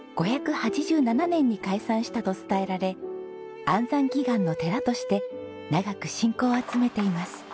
５８７年に開山したと伝えられ安産祈願の寺として長く信仰を集めています。